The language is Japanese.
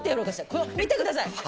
これ見てください。